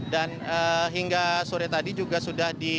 dan hingga sore tadi juga sudah disepakai